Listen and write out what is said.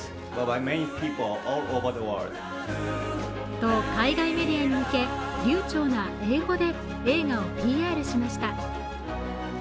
と、海外メディアに向け流ちょうな英語で映画をＰＲしました。